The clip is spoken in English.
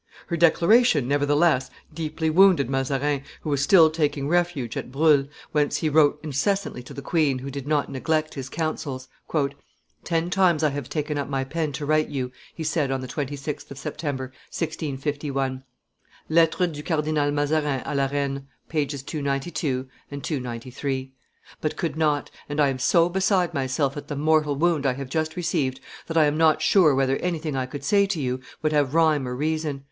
Her declaration, nevertheless, deeply wounded Mazarin, who was still taking refuge at Bruhl, whence he wrote incessantly to the queen, who did not neglect his counsels. "Ten times I have taken up my pen to write to you," he said on the 26th of September, 1651 [Lettres du Cardinal Mazarin a la Reine, pp. 292, 293], "but could not, and I am so beside myself at the mortal wound I have just received, that I am not sure whether anything I could say to you would have rhyme or reason.